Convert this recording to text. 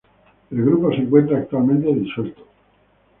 El grupo se encuentra actualmente disuelto.